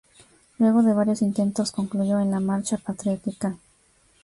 Luego de varios intentos, concluyó en la Marcha Patriótica.